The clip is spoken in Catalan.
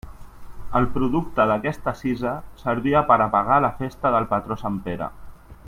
El producte d'aquesta cisa servia per a pagar la festa del patró sant Pere.